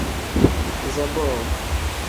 Iza boowu.